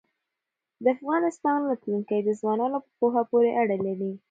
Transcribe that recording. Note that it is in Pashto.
د افغانستان راتلونکی د ځوانانو په پوهه پورې اړه لري.